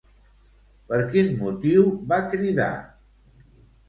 Per quin motiu va cridar?